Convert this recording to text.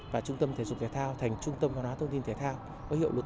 và trung tâm thể dục thể thao thành trung tâm văn hóa thông tin thể thao có hiệu lực